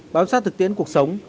báo sát thực tiễn cuộc sống